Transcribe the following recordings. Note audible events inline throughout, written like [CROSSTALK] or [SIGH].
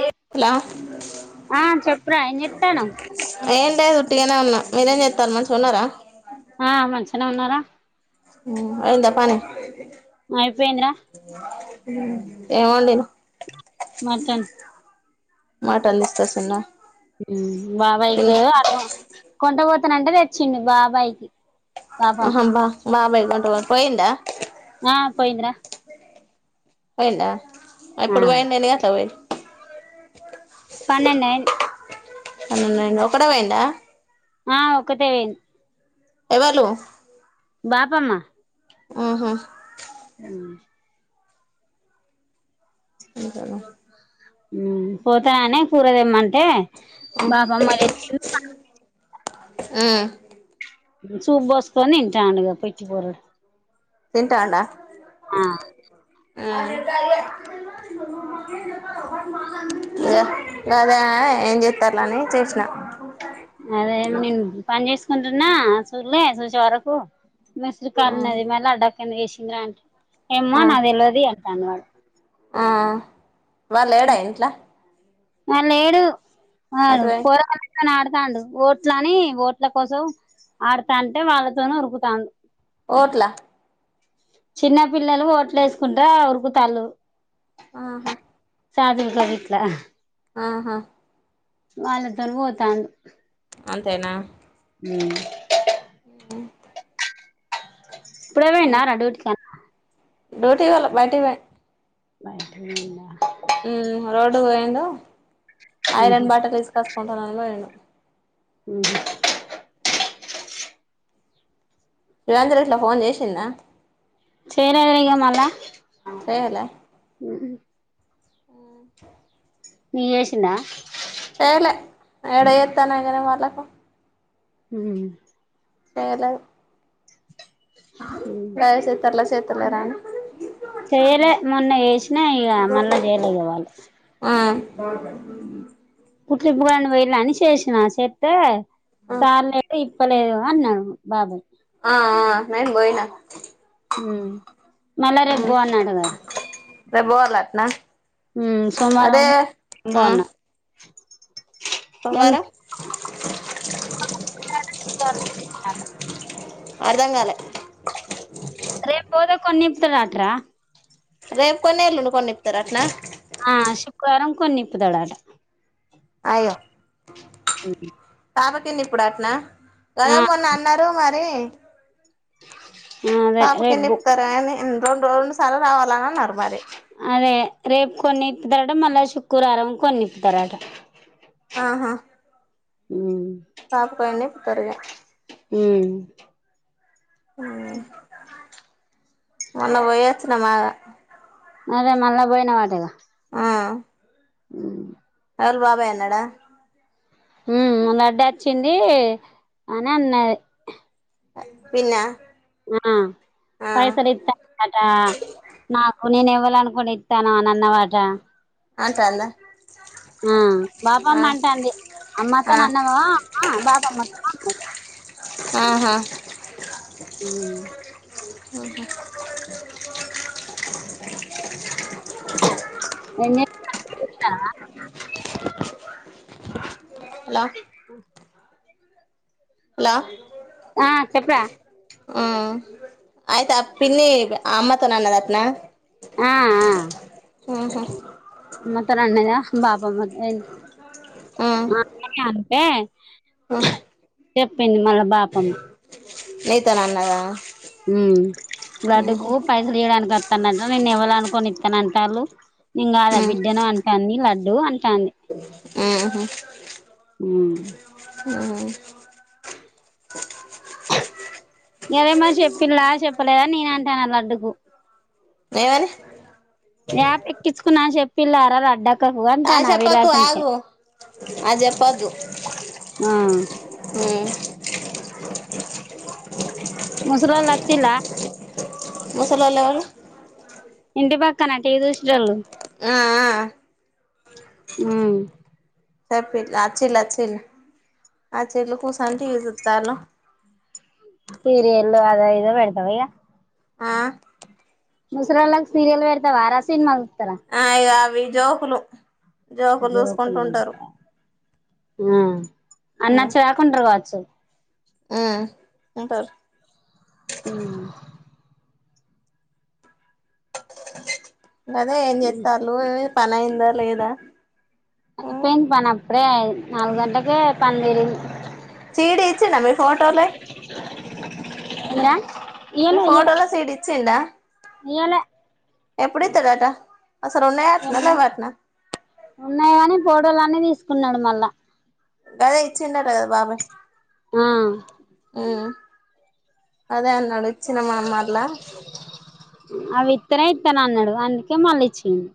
ఏ లా ఆ చెప్పారా ఎంచేతనావ్ ఏం లేదు ఉట్టిగానే ఉన్నా మీరేం చెస్తారు మంచిగా ఉన్నారా ఆ మంచిగానే ఉన్నారా అమ్ అయిందా పని అయ్యిపోయిందిరా ఏం వండినా మటన్ [INAUDIBLE] మటన్ ఇచ్చే స్తున్నా వా బయుకు అ కొంత పో అనంటే తెచ్చింది బాబాయి కి ఆహైబ బాబాయ్ గొంతు పోయిందా ఆ పోయిందిరా పోయిందా ఎప్పుడు పోయింది ఎన్ని గంటలకు పోయింది పన్నెండయిన్ పన్నెండయింది ఒక్కటేపోయిందా ఆ ఒక్కతే పోయిం ఎవళు బాపమ్మా ఓహో మ్మ్ అకల మ్మ్ పోతనానే పూర తెమంట్ ఏ బాబా మ తీ [INAUDIBLE] అ సూప్ పోసుకొని తింటాను పెట్టుకొని తింటాండ ఆ ఆ గదా ఏం చేస్తారులే అని చూసినా అదే నిన్ పన్ చేస్ సంటన్నా చూళ్ళే సూచే వరకు మిస్ కాల్ ఉన్నది మల్లా అడ్డాకే [INAUDIBLE] తిన్ రాండి ఆ ఏమ్మా నా వెళ్ళేది కన్ వాడు ఆ వాడు లేడా ఇంట్లో వాడ్ లేడు ఆవును పోయిండు పోరగాల్లు కాని అడతాండు ఓట్లని ఓట్ల కోసం ఆడతా అంటే వాళ్ళతోనే ఉరుకుతాండు ఓట్లా చిన్న పిల్లలు ఓట్లు వేసుకుంటా ఉరుకుతాల్లూ ఆహా ఛార్జింగకా ఇట్లా ఆహా వాళ్ళతోను పోతాను అంతేనా మ్మ్ అ ఇప్పుడే పోయిండ రా డ్యూటీకి డ్యూటీకి పోలె బైటికి పోయ బైటపోయిండా ఈ రోడ్డుకు పోయిండో ఊహూ ఐరన్ బాట తీసుకొసుకుంటున్నాని పోయిండు ఊహూ శివేంద్రిట్లా ఫోన్ చేషిండా చేయ్ రాదే ఇగ మల్లా [UNINTELLIGIBLE] ఉహూ ఓ నీకు చేేషిండా చేయ్ లే ఎడ చేత్తన [UNINTELLIGIBLE] మాల్ల ప్పో మ్ చేయలేదు యే చేత్తార్లే సే తల్వదాని చేయలే మొన్న చేసిన ఇగ మళ్ళా చేయలే ఇవాళ [UNINTELLIGIBLE] కుట్లిప్పలే ఆని పోయిన్నామని అని చేేసిన సేత్తే ఆ సార్ [UNINTELLIGIBLE] చెప్పలే కదా అన్నాను బాబాయ్ ఆ ఆ నేను పోయిన మ్ మళ్ళ రెబ్బోవాలనటగద రేప్ బోవాలట్న మ్ సోమ్వారం బాన్నా [INAUDIBLE] సోమ్వారం [INAUDIBLE] [INAUDIBLE] అర్ధం కాలె కొన్నిప్పుతుర్రట్రా రేపు కొన్ని ఎల్లుండి కొన్ని ఇప్తారట్న ఆ శుక్రారం కొన్నిప్పుతాడట అయ్యో మ్హ్ తావకింది ఇప్పుడు అట్నా గదే మొన్న అన్నరు మరి [UNINTELLIGIBLE] అదే రేపు పో [UNINTELLIGIBLE] రెండు రోజుల శెలవు రావాల [UNINTELLIGIBLE] అన్నరు మరి అదే రేపు కొన్ని ఇప్పుతారట మళ్ళ శుక్రారం కొన్ని ఇప్పుతారట ఆహా హ్మ్ [UNINTELLIGIBLE] త్వరగా హ్మ్ మొన్న పోయచ్చినమాగా అదే మళ్ళ పోయినా వటగా హ్మ్ ఎవరు బాబాయ్ అన్నాడా హ్మ్ లడ్డొచ్చింది అని అన్నది పిన్నా ఆ ఆ పైసల్ ఇస్తాండట నాకు నేను ఎవ్వలనుకోని ఇత్తానని అన్నవట అంటాందా ఆ ఆ బాపమ్మ అంటాంది ఆ అమ్మతోనన్నవా అమ్మా బాపమ్మతోనా ఆహా హ్మ్ ఊహూ ఎన్ని [UNINTELLIGIBLE] ఇత్తావ హలో హలో ఆ చెప్పరా ఆ అయితే ఆ పిన్ని అమ్మతోన అన్నది అట్న ఆ ఆ ఆహా మ అత్త నన్నద బాప్ మహమ్మద్ అలీ ఉమ్ ఆ ఐతే అంతే ఉ చెప్పింది మళ్ళ బాపం నీతో నన్నదా గడ్డకు పైసలు ఈయడానికి వత్తందట నేను ఇవ్వాలనుకుని అలాంటాళ్ళు ఇంకాదా బిడ్డని అంటాంది లం [UNINTELLIGIBLE] ఆహ ఆ గదే మరి షెప్పిల్ల షెప్పలేదా నేను అంటన్నా లడ్డుకు ఏమని మ్యాప్ ఎక్కించుకున్న అని చెప్ పిల్లారా రఢక్ ఆ చెప్పకు ఆగు ఆ జప్పద్దు ఆ ఊ ముసలోళ్ళచిల్ల ముసలోళ్ళు ఎవరు ఇంటిపక్క కన టీవీ చూసేటోళ్లు ఆ ఆ ఉమ్ చెపిల ఆచిల్ ఆచిలు ఆచలుకు కూసోని టీవీ సూత్తలు ఇగ వేడతావా ఇగ ఆ ముసలోళ్లకు సీరియల్ పెడతావా రా సినిమా చూత్తరా ఆ ఇగా ఆగు మీ జోకులు జోకులు చూసుకుంటుంటారు ఉమ్ అన్నచ్చ్చేదాకా ఉంటరు కావచ్చు ఉమ్ ఉంటారు ఊ లేదా ఏం ఉమ్ చెత్తళ్ళు పనైందా లేదా పోయిన్ పని అప్పుడే నాలుగు గంటకే ప [UNINTELLIGIBLE] సిడి ఇచ్చిండా మీ ఫోటోలై ఎలా మీరు ఫోటోలో సిడి ఇచ్చిండా ఇయ్యలే ఎప్పుడు ఇత్తడట అసలు ఉన్నాయటనా ఎన్న లేవటనా ఉన్నాయి కాని పో లానే తీసుకున్నాడు మళ్ళా గదే ఇచ్చింట కదా బాబాయ్ ఆ హ్మ్మ్ అదే ఆన్నాడు చిన్నమామోళ్ల అవి ఇత్తనే ఇత్తనన్నాడు అందుకే మళ్ళీచ్చింది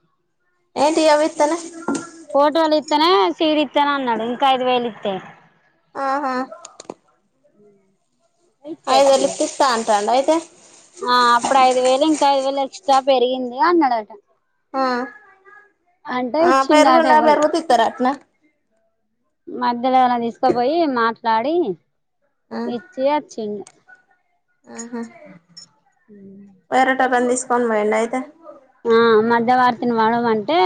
ఏంటి అవిత్తనే ఓటు వాళ్ళ ఇస్తానే సీడ్ ఇస్తాన అన్నాడు ఇంకా ఐదు వేలు ఇస్తాయి ఆహా ఉ అఐదులి పిస్తాన్ తనైతే ఆ అప్పుడు ఐదు వేల ఇంకా ఐదు వేల ఎక్స్ట్రా పెరిగింది అన్నాడట ఆ అంటే ఆ పెరుగుడా పెరుగుతిస్తార అత్న మధ్యలోనా తీసుకోపోయి మాట్లాడి ఆ ఇట్లే వచ్చిండు ఆహా అ [INAUDIBLE] టవల్ తీసుకొని పోయిండా అయితే [INAUDIBLE] వార్తని పాడమంటే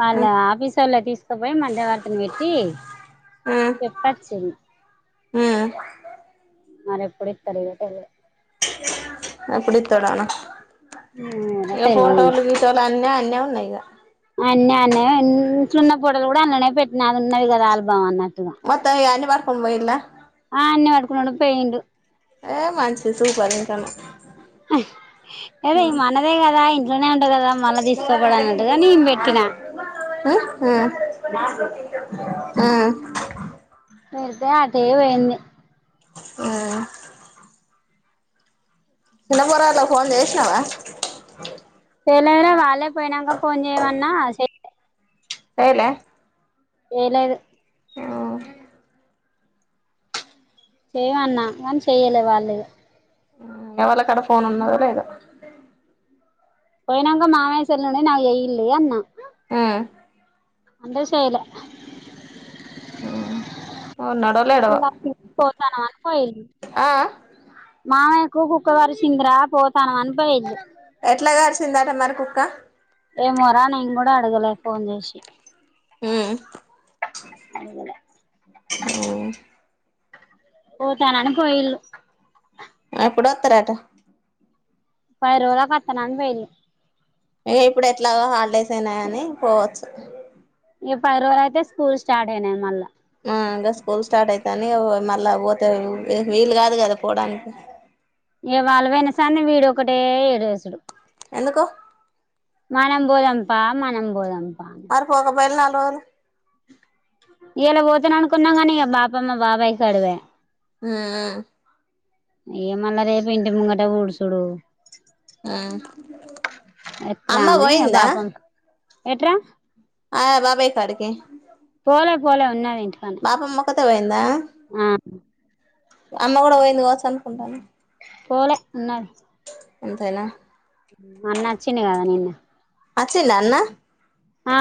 వాళ్ళ ఉమ్ ఆఫీస్ వాళ్ల తీసుకొపోయి మధ్య వర్తని పెట్టి చెప్పొచ్చిండు హుమ్మ్ మరి ఎప్పుడు తరగట అ కుడు తడనా ఏమోరా ఇక తెల్వదు ఇగ ఫోటోలుకి అ అన్న న్నాగా అన్న అన్న సున్న పూటలు కూడా అన్ననే పెట్టిన అది ఉన్నది కదా ఆల్బావ అన్నది మ అని వర్ సమయలా ఆ అన్నిీ పట్కున్నాడు పెయిండు ఏ మంచి చసు పరిన్ క అద ఈ మనదే కదా ఇ నేను పెట్టినా ఆ మీతే అదే పోయింది ఆ చిన్నపురాలా ఫోన్ చేసినావా తెలైన వాాల పోయినాక పోన్ చేయవా సైలే ఏ లేదు ఓ చేయవన్నా కానీ చెయలే వాళ్ళు ఎవాళక్కడ ఫోన్ ఉన్నదో లేదా పోయినాంక మామేశ్వర్ నుండి నావ వెయ్యల్లి అన్నా ఆ అంత విష అలే ర ఇ పోతనవా పోయి ఆ మామ కుక్కు కుక్కవారు సిందరా పోతానుం అనిపయేది ఎట్లాగా అరిసిందట మరి కుక్క ఏమోరాం కూడాడా అడుగలే ఫన్ చేసిి హ అఓ ఓ తనను పోయిల ఎప్పుడు వస్తారట ఇై రూల కట్టన పోయరు ఇక ఇప్పుడు ఎట్లాగా హాలిడేస్ అయినాయని పోవచ్చు ఇ పరువర అయితే స్కూల్ స్టార్ట్ అయినాయి మళ్ళా ఆ ఇంకా స్కూల్ స్టార్ట్ అయితాని మళ్ళా పోతేా వీలు కాదు కదా పోవడానికి ఏ వాళ్ళు పోయినా సర వీడు ఒకటే ఏడేసుడు ఎందుకో మనం పోదంపా మనం పోదంపా వార పోక బయల్ నాలు వదు ఇలా పోతను అనుకున్నాం కానీక బాపమ్మ బాబాయ్ క అడువే ఆ ఏ మళ్ళ రేపు ఇంటి ముంగట ఊడుచుడు ఆ ఎట్లానే పాపం ఎట ఆ బాబాయకాడకే పోలే పోలే ఉన్నాదం బాపమ్మ కతే పోయిందా అమ్మ కూడా పోయింది కావచ్చు అనుకుంటాను పోలే ఉన్నాడు అంతేనా వచ్చిండు కదా నిన్న అచ్చింద అన్న ఆ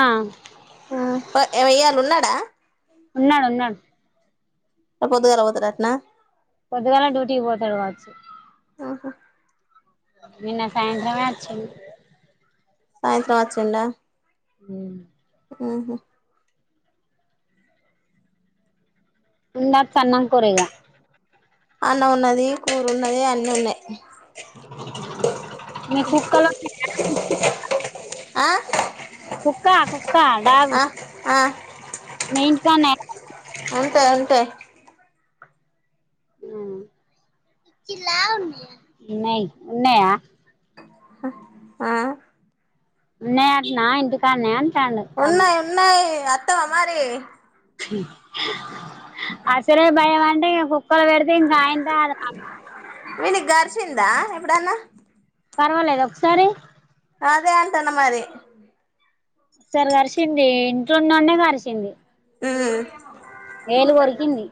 ఏమయ్యళ ఉన్నాడా ఉన్నాడు ఉన్నాడు రేపు పొద్దుగాల పోతరాట్నా పోద్దిగాేల డ్యూటీకి పోతాడు కావచ్చు స ఆ నిన్న సాయంత్రం మ్యాచ్ సాయంత్రం వచ్చిండా ఉ ఆఓహో ఉందా సన్నం కురగా అన్న ఉన్నది కూరు ఉన్నది అన్నీ ఉన్నాయి మీ కుక్కలున్నాయా ఆ కుక్క కుక్క డాగ్ ఆ ఆ మీెయిన్ కాన్ ఎంతే ఉంతే న ఉన్నయ ఆ ఉన్నాయంటన ఇంటికనే ఉన్నాయి ఉన్నాయి అ వత్తవ మరి అసలే భయం అంటే ఇం కుక్కలు పెడితే ఇంకాయంతా అది కా వీడి గర్చిందా ఎప్పుడన్న పర్వాలేదు ఒకసారి అదే అంటంన్న మరి సారి కరిచింది ఇంట్లోంన్నండే కరిచింది ఉ ఏలు కొరికింది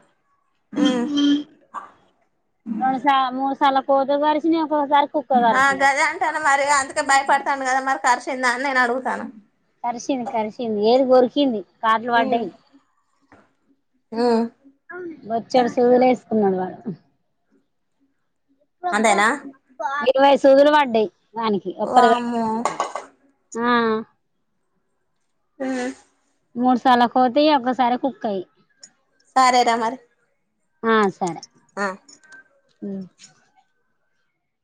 ఉమ్ తస మూ సాల కోది పరిసినం ఆ గదే అంటానా మరి అందుకే భయపడతాండు కదా మరి కర్షింద అనీ నేను అడుగుతాన కరిసింది కరిసింది ఏలు కొరికింది కాట్లు పడ్డాయి ఉమ్ బొచ్చెడు సూదులే ఉన్నవారా అంతేనా [UNINTELLIGIBLE] ఇరవైద్దు సూదులు పడ్డాయి వానికి ఒక్కడిగా వామ్మో ఆ హ మూడు సార్లు కోతి ఒక్కసారి కుక్క అయి సారే రా మరి ఆ సరే ఆ అ [UNINTELLIGIBLE]